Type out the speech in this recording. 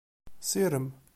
Sirem.